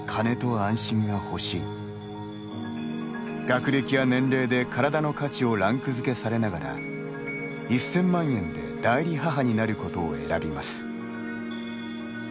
学歴や年齢で体の価値をランク付けされながら１０００万円で代理母になることを選びます。